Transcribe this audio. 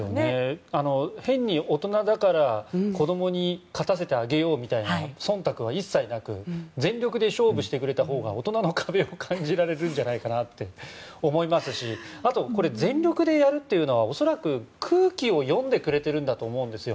変に大人だから子供に勝たせてあげようみたいな忖度は一切なく全力で勝負してくれたほうが大人の壁を感じられるんじゃないかなって思いますしあと、全力でやるというのは恐らく、空気を読んでくれているんだと思うんですよ。